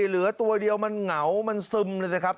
เหลือตัวเดียวมันเหงามันซึมเลยนะครับ